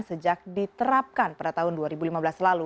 sejak diterapkan pada tahun dua ribu lima belas lalu